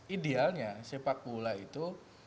idealnya sepak bola itu